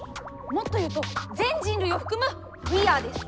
もっと言うと全人類を含む「ウィーアー」です。